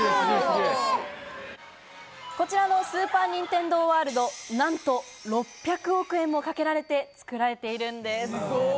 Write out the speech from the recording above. こちらのスーパー・ニンテンドー・ワールド、なんと６００億円もかけられて造られているんです。